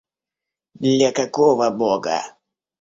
Для какого Бога?